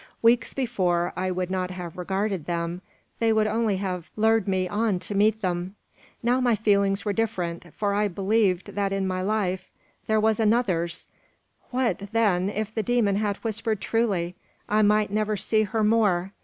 Weeks before, I would not have regarded them they would only have lured me on to meet them; now my feelings were different, for I believed that in my life there was another's. What, then, if the demon had whispered truly? I might never see her more!